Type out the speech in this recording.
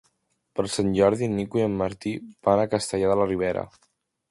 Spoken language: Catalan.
Per Sant Jordi en Nico i en Martí van a Castellar de la Ribera.